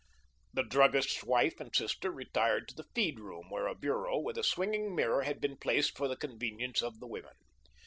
The druggist's wife and sister retired to the feed room, where a bureau with a swinging mirror had been placed for the convenience of the women.